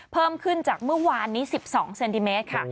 เพิ่มขึ้นจากเมื่อวานนี้๑๒เซนติเมตรค่ะ